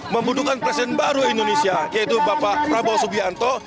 membutuhkan presiden baru indonesia yaitu bapak prabowo subianto